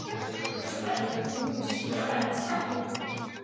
喜欢的艺人是滨崎步。